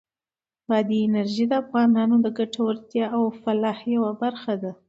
بادي انرژي د افغانانو د ګټورتیا او فلاح یوه برخه ده.